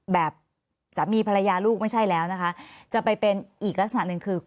แบบสามีภรรยาลูกไม่ใช่แล้วนะคะจะไปเป็นอีกลักษณะหนึ่งคือ